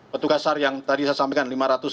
petugas sar yang tadi saya sampaikan